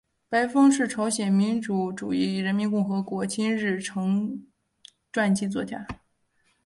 白峰是朝鲜民主主义人民共和国的金日成传记作家。